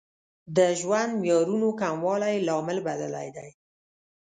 د ژوند معیارونو کموالی لامل بللی دی.